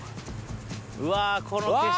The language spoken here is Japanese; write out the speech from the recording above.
うわこの景色。